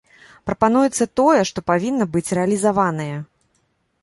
Прапануецца тое, што павінна быць рэалізаванае.